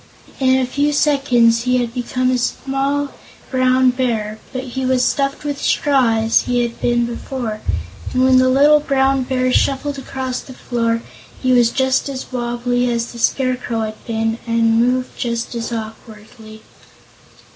In a few seconds he had become a small Brown Bear, but he was stuffed with straw as he had been before, and when the little Brown Bear shuffled across the floor he was just as wobbly as the Scarecrow had been and moved just as awkwardly.